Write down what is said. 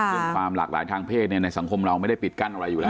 ความหลากหลายทางเพศในสังคมเราไม่ได้ปิดกั้นอะไรอยู่แล้ว